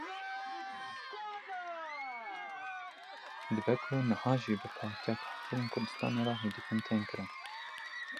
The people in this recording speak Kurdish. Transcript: Dibe ku niha jî bi Partiya Karkerên Kurdistanê re hevdîtin tên kirin.